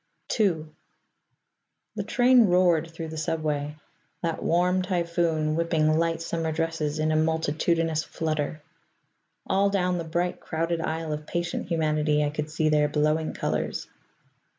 II The train roared through the subway, that warm typhoon whipping light summer dresses in a multitudinous flutter. All down the bright crowded aisle of patient humanity I could see their blowing colours.